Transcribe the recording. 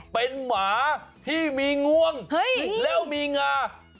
เป็นหมาที่มีงวงแล้วมีงา